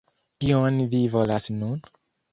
Kion vi volas nun?